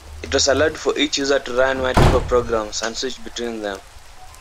It also allowed for each user to run multiple programs, and switch between them.